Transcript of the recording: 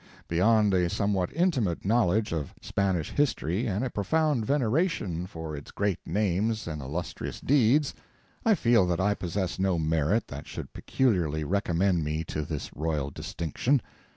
Beyond a somewhat intimate knowledge of Spanish history and a profound veneration for its great names and illustrious deeds, I feel that I possess no merit that should peculiarly recommend me to this royal distinction.